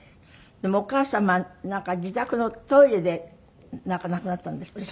でもお母様なんか自宅のトイレで亡くなったんですって？